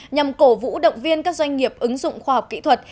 nhằm cổ vũ động viên các doanh nghiệp ứng dụng khoa học kỹ thuật